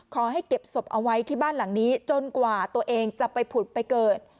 ขอให้เก็บศพเอาไว้ที่บ้านหลังนี้จนกว่าตัวเองจะไปผุดไปเกิด